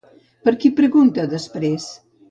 Per qui pregunta després?